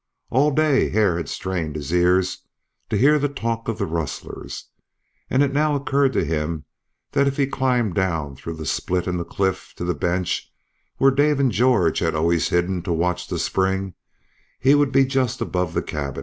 All day Hare had strained his ears to hear the talk of the rustlers, and it now occurred to him that if he climbed down through the split in the cliff to the bench where Dave and George had always hidden to watch the spring he would be just above the camp.